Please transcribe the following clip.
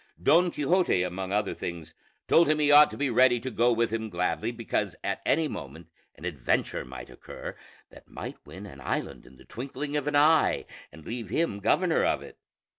Don Quixote, among other things, told him he ought to be ready to go with him gladly, because at any moment an adventure might occur, that might win an island in the twinkling of an eye and leave him governor of it.